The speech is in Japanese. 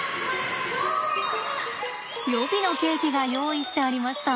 予備のケーキが用意してありました。